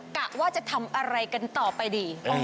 กะว่าจะทำอะไรกันต่อไปดี